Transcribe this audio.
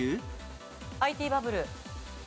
ＩＴバブル。